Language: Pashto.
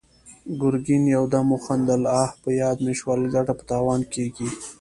ګرګين يودم وخندل: اه! په ياد مې شول، ګټه په تاوان کېږي!